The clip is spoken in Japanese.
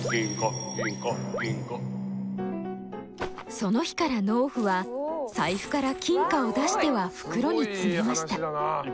その日から農夫は財布から金貨を出しては袋に詰めました。